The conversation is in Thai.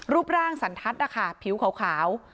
รูปร่างสันทัศน์นะคะผิวขาว